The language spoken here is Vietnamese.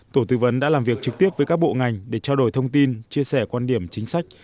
tổ tư vấn đã làm việc trực tiếp với các bộ ngành để trao đổi thông tin chia sẻ quan điểm chính sách